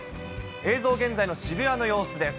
映像、現在の渋谷の様子です。